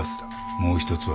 もう一つは？